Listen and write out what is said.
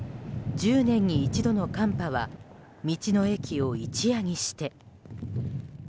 １０年に一度の寒波は道の駅を一夜にして。